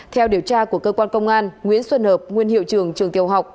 theo điều tra của cơ quan công an nguyễn xuân hợp nguyên hiệu trưởng trường tiểu học